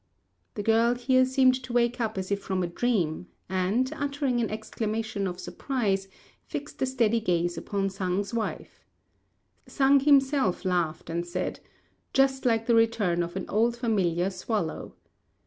The girl here seemed to wake up as if from a dream, and, uttering an exclamation of surprise, fixed a steady gaze upon Sang's wife. Sang himself laughed, and said, "Just like the return of an old familiar swallow."